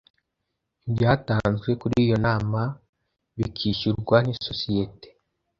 ibyatanzwe kuri iyo nama bikishyurwa n’isosiyete